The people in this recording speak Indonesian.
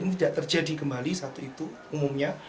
ini tidak terjadi kembali satu itu umumnya